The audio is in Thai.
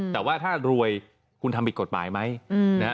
แต่ว่าถ้ารวยคุณทำผิดกฎหมายไหมนะฮะ